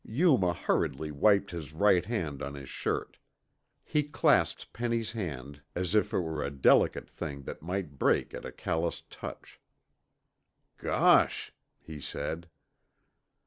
Yuma hurriedly wiped his right hand on his shirt. He clasped Penny's hand as if it were a delicate thing that might break at a calloused touch. "G gosh," he said.